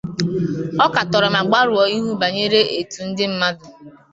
Ọ katọrọ ma gbarụọ ihu bànyere etu ndị mmadụ